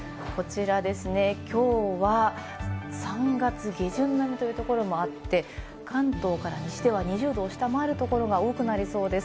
今日は３月下旬並みというところもあって関東から西では２０度を下回る所が多くなりそうです。